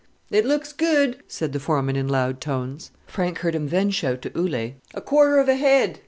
"It looks good," said the foreman in loud tones. Frank heard him then shout to Ole, "A quarter of a head."